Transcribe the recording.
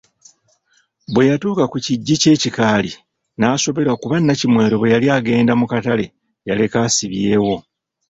Bwe yatuuka ku kiggyi ky’ekikaali, n’asoberwa kuba Nnakimwero bwe yali agenda mu katale yaleka asibyewo.